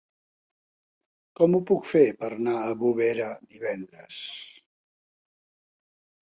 Com ho puc fer per anar a Bovera divendres?